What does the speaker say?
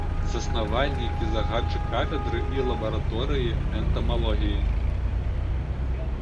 Заснавальнік і загадчык кафедры і лабараторыі энтамалогіі.